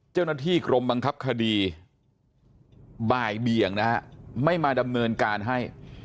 เจ้าหน้าที่กรมบังคับคดีบ่ายเบี่ยงนะฮะไม่มาดำเนินการให้